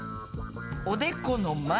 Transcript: おでこの前！